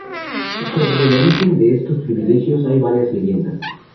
Sobre el origen de estos privilegios hay varias leyendas.